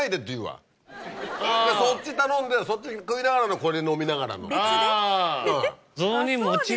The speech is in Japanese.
そっち頼んでそっち食いながらのこれ飲みながらの。